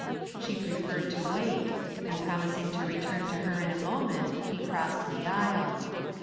" She preferred to wait ; and promising to return to her in a moment, he crossed the aisle.